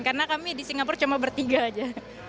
karena kami di singapura cuma bertiga saja